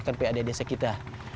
bukan pad desa kita